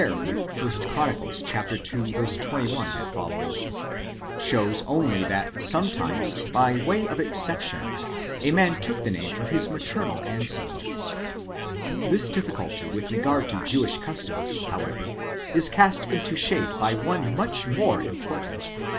with 1 Chron. ii. 21 £), shows only that sometimes, by way of exception, a man took the name of his maternal ancestors. This difficulty with regard to Jewish customs, however, is cast into shade by one much more important.